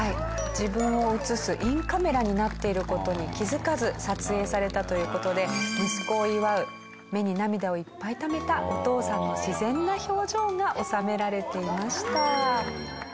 自分を映すインカメラになっている事に気づかず撮影されたという事で息子を祝う目に涙をいっぱいためたお父さんの自然な表情が収められていました。